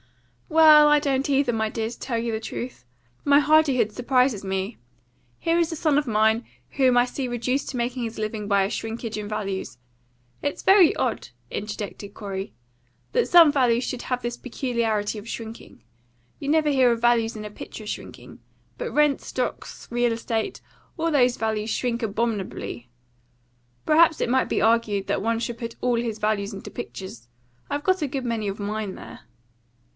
"Well, I don't either, my dear, to tell you the truth. My hardihood surprises me. Here is a son of mine whom I see reduced to making his living by a shrinkage in values. It's very odd," interjected Corey, "that some values should have this peculiarity of shrinking. You never hear of values in a picture shrinking; but rents, stocks, real estate all those values shrink abominably. Perhaps it might be argued that one should put all his values into pictures; I've got a good many of mine there."